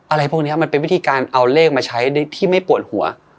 อะไรพวกนี้มันเป็นวิธีการเอาเลขมาใช้ที่ไม่ปวดหัว